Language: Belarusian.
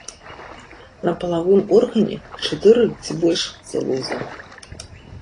На палавым органе чатыры ці больш залозы.